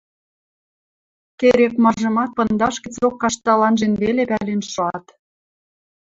Керек-мажымат пындаш гӹцок каштал анжен веле пӓлен шоат.